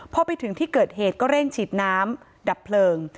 พอไปถึงที่เกิดเหตุก็เร่งฉีดน้ำดับเพลิง